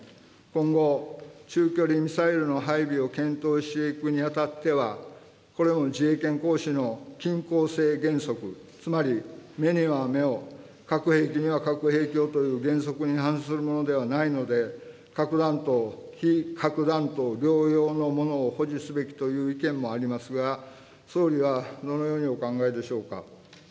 今後、中距離ミサイルの配備を検討していくにあたっては、これも自衛権行使の均衡性原則、つまり目には目を、核兵器には核兵器をという原則に反するものではないので、核弾頭・非核弾頭両用のものを保持すべきという意見もありますが、総理はどのようにお考えでしょうか。